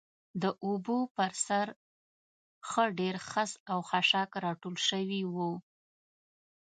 د اوبو پر سر ښه ډېر خس او خاشاک راټول شوي و.